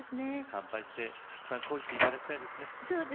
乾杯して恋していただきたいですね。